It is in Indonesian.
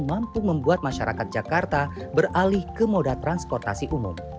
mampu membuat masyarakat jakarta beralih ke moda transportasi umum